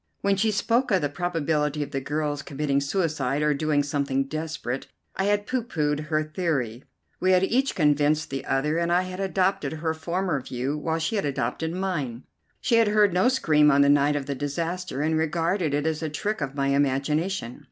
When she spoke of the probability of the girl's committing suicide or doing something desperate, I had pooh poohed her theory. We had each convinced the other, and I had adopted her former view while she had adopted mine. She had heard no scream on the night of the disaster, and regarded it as a trick of my imagination.